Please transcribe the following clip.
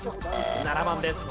７番です。